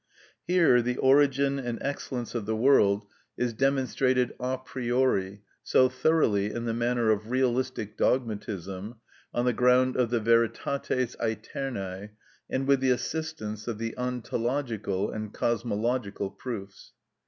Here the origin and excellence of the world is demonstrated a priori, so thoroughly in the manner of realistic dogmatism, on the ground of the veritates æternæ and with the assistance of the ontological and cosmological proofs.